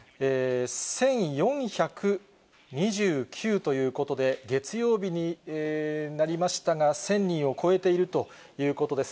１４２９ということで、月曜日になりましたが、１０００人を超えているということです。